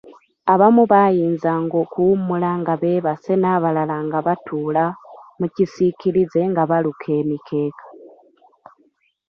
Abamu baayinzanga okuwummula nga beebase n'abalala nga batuula mu kisiikirize nga baluka emikeeka.